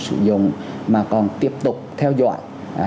xin chào các bạn